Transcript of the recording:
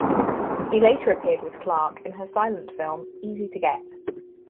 He later appeared with Clark in her silent film "Easy to Get".